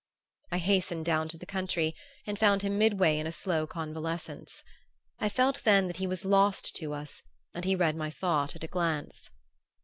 I hastened down to the country and found him midway in a slow convalescence. I felt then that he was lost to us and he read my thought at a glance.